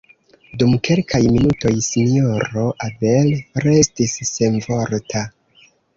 Dum kelkaj minutoj Sinjoro Abel restis senvorta.